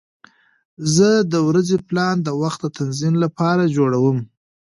زه د ورځې پلان د وخت د تنظیم لپاره جوړوم.